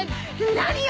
何よ！